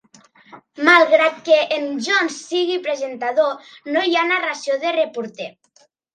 Malgrat que en Jones sigui presentador, no hi ha narració de reporter.